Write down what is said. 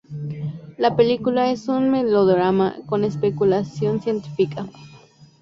La película es un melodrama con especulación científica.